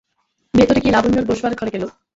ভিতরে গিয়ে লাবণ্যর বসবার ঘরে গেল।